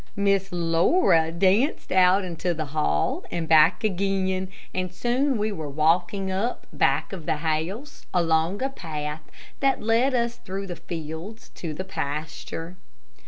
Miss Laura danced out into the hall and back again, and soon we were walking up, back of the house, along a path that led us through the fields to the pasture.